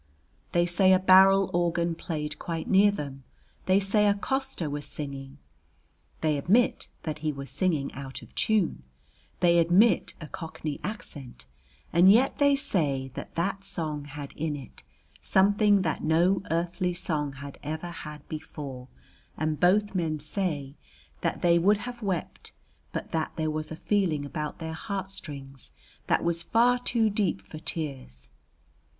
They say a barrel organ played quite near them, they say a coster was singing, they admit that he was singing out of tune, they admit a cockney accent, and yet they say that that song had in it something that no earthly song had ever had before, and both men say that they would have wept but that there was a feeling about their heartstrings that was far too deep for tears.